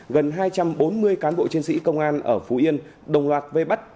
gần hai trăm bốn mươi cán bộ chiến sĩ công an ở phú yên đồng loạt vây bắt